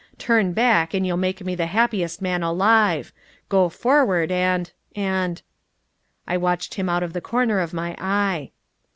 Turn back, and you'll make me the happiest man alive; go forward, and and " I watched him out of the corner of my eye.